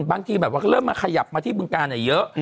บางทีแบบว่าเริ่มมาขยับมาที่บึงการเยอะ